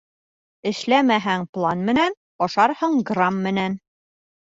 Эшләмәһәң план менән, ашарһың грамм менән.